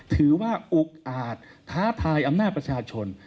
อุกอาจท้าทายอำนาจประชาชน